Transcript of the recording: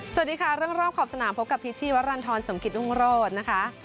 สวัสดีค่ะเรื่องรอบขอบสนามพบกับพิชชีวรรณฑรสมกิตรุงโรธนะคะ